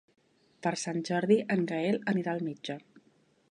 Per Sant Jordi en Gaël anirà al metge.